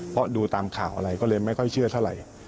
เพราะดูตามข่าวอะไรก็เลยไม่ค่อยเชื่อเท่าไหร่